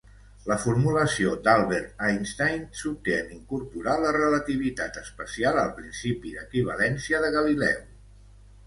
La formulació d'Albert Einstein s'obté en incorporar la relativitat especial al principi d'equivalència de Galileu.